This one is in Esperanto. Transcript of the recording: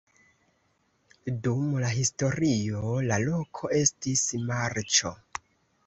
Dum la historio la loko estis marĉo.